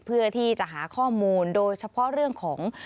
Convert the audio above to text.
เพื่อที่จะหาข้อมูลโดยเฉพาะเรื่องของ